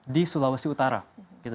di sulawesi utara gitu